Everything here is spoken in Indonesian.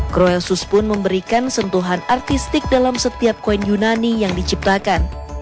krosus pun memberikan sentuhan artistik dalam setiap koin yunani yang diciptakan